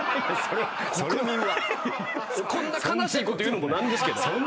こんな悲しいこと言うのも何ですけど。